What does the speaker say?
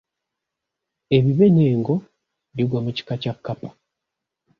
Ebibe n'engo bigwa mu kika kya kkapa.